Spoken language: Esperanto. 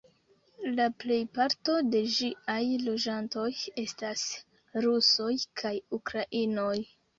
La plejparto de ĝiaj loĝantoj estas rusoj kaj ukrainoj.